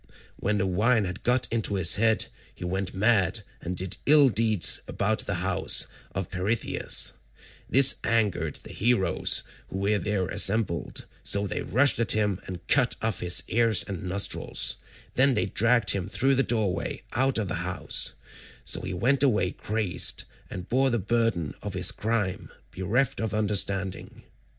When the wine had got into his head, he went mad and did ill deeds about the house of Peirithous; this angered the heroes who were there assembled, so they rushed at him and cut off his ears and nostrils; then they dragged him through the doorway out of the house, so he went away crazed, and bore the burden of his crime, bereft of understanding.